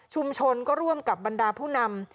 ก็ร่วมกับบรรดาผู้นำ